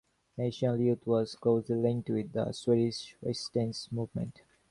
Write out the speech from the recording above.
National Youth was closely linked with the Swedish Resistance Movement.